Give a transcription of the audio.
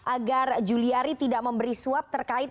agar juliari tidak memberi suap terkait